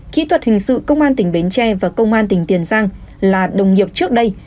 kỹ thuật hình sự công an tỉnh bến tre và công an tỉnh tiền giang là đồng nghiệp trước đây